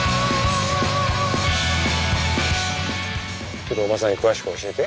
ちょっとおばさんに詳しく教えて。